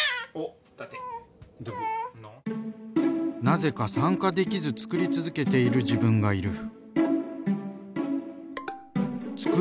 「なぜか参加できずつくり続けている自分がいる」。